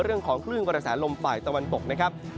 เรื่องของขึ้นกับสาลลมไตรตะวันตกนะครับ